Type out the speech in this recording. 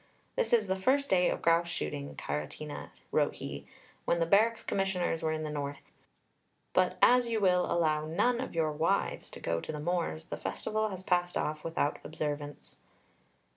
"This is the first day of grouse shooting, Caratina," wrote he, when the Barracks Commissioners were in the north; "but as you will allow none of your 'wives' to go to the moors, the festival has passed off without observance."